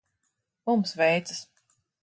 Mums veicas.